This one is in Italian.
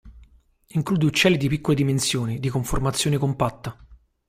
Include uccelli di piccole dimensioni, di conformazione compatta.